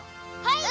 はい！